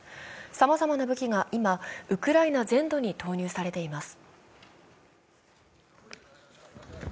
さまざまな武器が今、ウクライナ全土に投入されています。